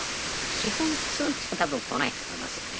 基本普通の人は多分来ないと思いますよね。